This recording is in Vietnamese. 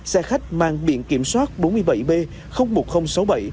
xe khách mang biện kiểm soát bốn mươi bảy b